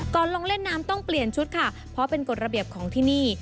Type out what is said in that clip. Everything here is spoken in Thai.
ลงเล่นน้ำต้องเปลี่ยนชุดค่ะเพราะเป็นกฎระเบียบของที่นี่